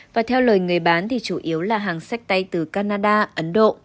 và theo lời người bán thì chủ yếu là hàng sách tay từ canada ấn độ